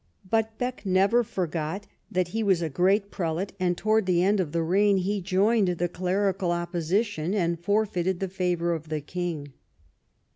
But Bek never forgot that he was a great prelate, and towards the end of the reign he joined the clerical opposition and forfeited the favour of the king.